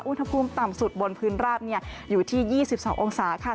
อุณหภูมิต่ำสุดบนพื้นราบอยู่ที่๒๒องศาค่ะ